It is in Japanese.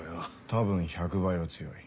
多分１００倍は強い。